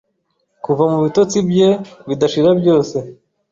kuva mubitotsi bye bidashira byose